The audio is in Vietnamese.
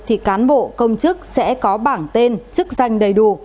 thì cán bộ công chức sẽ có bảng tên chức danh đầy đủ